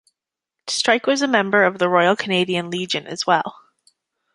Strike was a member of the Royal Canadian Legion as well.